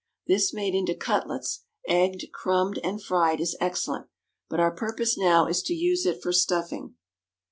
This made into cutlets, egged, crumbed, and fried, is excellent, but our purpose now is to use it for stuffing.